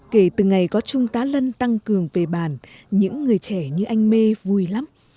kể từ ngày có trung tá lân tăng cường về bản những người trẻ như anh mê vui lắm